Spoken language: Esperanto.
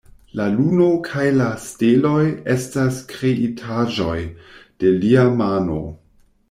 La luno kaj la steloj estas kreitaĵoj de Lia mano.